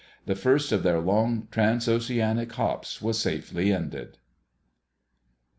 The first of their long, transoceanic hops was safely ended.